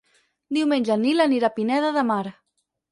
Diumenge en Nil anirà a Pineda de Mar.